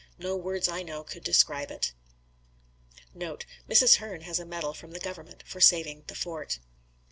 No words I know could describe it. Note. Mrs. Hern has a medal from the government for saving the fort.